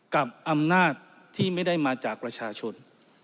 กับอำนาจที่ไม่ได้มาจากประชาชน